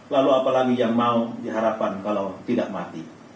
lalu apalagi yang mau diharapkan kalau tidak mati